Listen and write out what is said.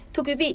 thưa quý vị